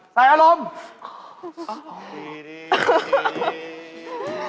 ใส่อารมณ์ดี